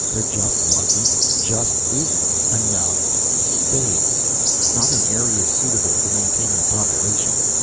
There just wasn't, just isn't, enough space. Not in areas suitable for maintaining a population.